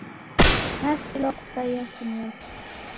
Nasilwa kukaiya kimusi